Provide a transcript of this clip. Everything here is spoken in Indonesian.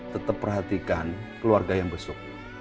tetap perhatikan keluarga yang besok